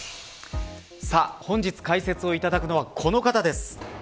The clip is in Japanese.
本日解説をいただくのはこの方です。